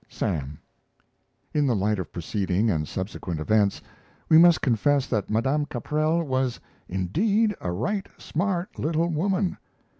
SAM. In the light of preceding and subsequent events, we must confess that Madame Caprell was "indeed a right smart little woman."